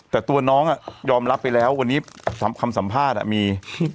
แต่ตัวน้องยอมรับไปแล้ววันนี้คำสัมภาษณ์มี